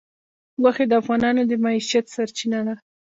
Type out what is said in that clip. غوښې د افغانانو د معیشت سرچینه ده.